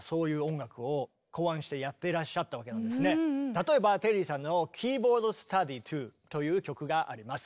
例えばテリーさんの「キーボード・スタディ２」という曲があります。